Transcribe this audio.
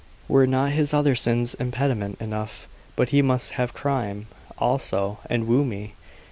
Were not his other sins impediment enough but he must have crime, also, and woo me!